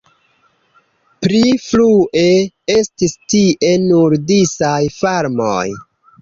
Pli frue estis tie nur disaj farmoj.